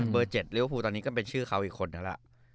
เบอร์เจ็ดบริโภพูตอนนี้ก็เป็นชื่อเขาอีกคนน่ะ